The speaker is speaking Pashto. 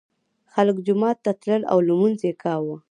خلک جومات ته تلل او لمونځ یې کاوه.